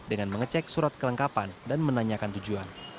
dengan mengecek surat kelengkapan dan menanyakan tujuan